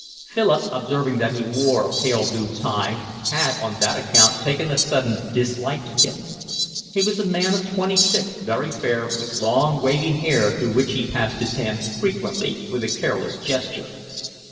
Philip, observing that he wore a pale blue tie, had on that account taken a sudden dislike to him. He was a man of twenty six, very fair, with long, wavy hair through which he passed his hand frequently with a careless gesture.